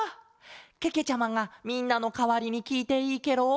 けけちゃまがみんなのかわりにきいていいケロ？